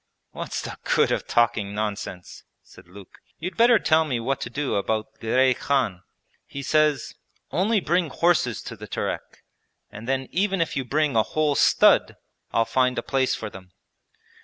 'What's the good of talking nonsense!' said Luke. 'You'd better tell me what to do about Girey Khan. He says, "Only bring horses to the Terek, and then even if you bring a whole stud I'll find a place for them."